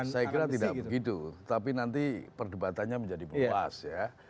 saya kira tidak begitu tapi nanti perdebatannya menjadi luas ya